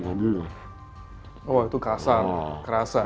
oh itu kasar